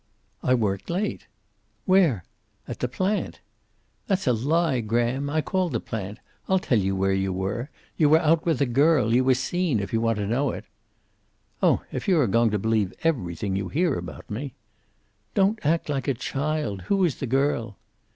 "I worked late." "Where?" "At the plant." "That's a lie, Graham. I called the plant. I'll tell you where you were. You were out with a girl. You were seen, if you want to know it." "Oh, if you are going to believe everything you hear about me?" "Don't act like a child. Who was the girl?"